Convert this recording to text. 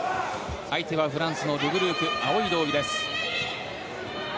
相手はフランスのル・ブルーク青い道着です。